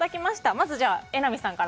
まず、榎並さんから。